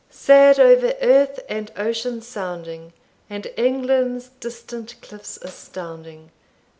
"Sad over earth and ocean sounding. And England's distant cliffs astounding.